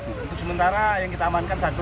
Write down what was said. untuk sementara yang kita amankan satu